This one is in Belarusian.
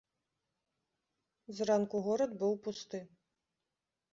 Зранку горад быў пусты.